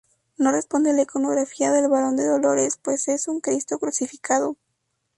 No responde a la iconografía del Varón de dolores, pues es un Cristo crucificado.